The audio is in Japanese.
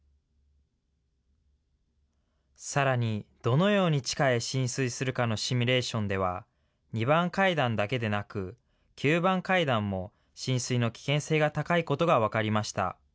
さらにどのように地下へ浸水するかのシミュレーションでは、２番階段だけでなく、９番階段も浸水の危険性が高いことが分かりました。